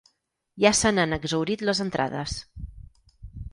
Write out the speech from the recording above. Ja se n’han exhaurit les entrades.